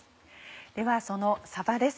ではそのさばです。